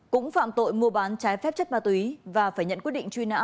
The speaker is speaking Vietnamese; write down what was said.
cũng phạm tội mua bán trái phép chất ma túy và phải nhận quyết định truy nã